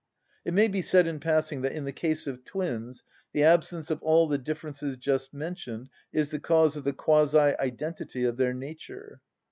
It may be said, in passing, that in the case of twins the absence of all the differences just mentioned is the cause of the quasi‐identity of their nature.